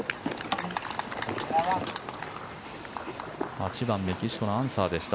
８番メキシコのアンサーでした。